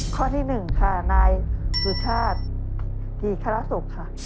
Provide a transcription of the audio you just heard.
ข้อที่๑ค่ะนายสุชาติกีคารสุขค่ะ